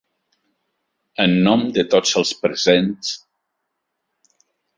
En nom de tots els presents.